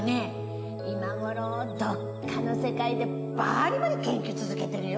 今頃どっかの世界でバリバリ研究続けてるよ。